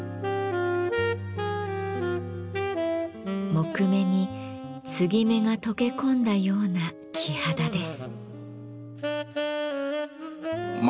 木目に継ぎ目が溶け込んだような木肌です。